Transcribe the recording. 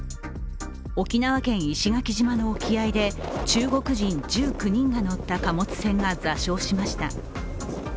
沖縄県石垣島の沖合で中国人１９人が乗った貨物船が座礁しました。